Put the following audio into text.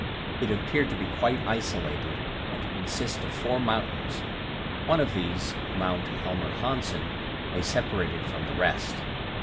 It appeared to be quite isolated, and to consist of four mountains; one of these Mount Helmer Hanssen lay separated from the rest.